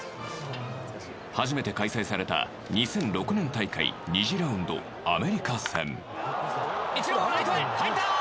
初めて開催された２００６年大会２次ラウンド、アメリカ戦。